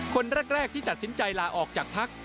คนแรกที่ตัดสินใจลาออกจากพัก